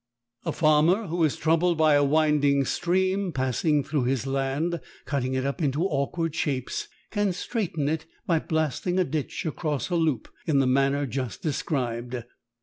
A farmer who is troubled by a winding stream passing through his land, cutting it up into awkward shapes, can straighten it by blasting a ditch across a loop in the manner just described.